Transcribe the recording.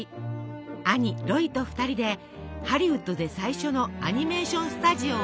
兄ロイと２人でハリウッドで最初のアニメーション・スタジオを設立。